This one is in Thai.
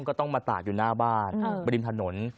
ก็ต้องมาตากอยู่หน้าบ้านบริมถนน